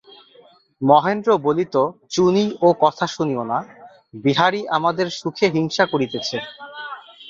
মহেন্দ্র বলিত, চুনি ও কথা শুনিয়ো না–বিহারী আমাদের সুখে হিংসা করিতেছে।